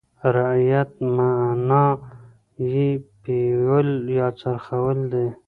رعیت معنا یې پېول یا څرول دي.